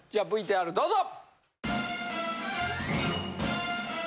ＶＴＲどうぞ！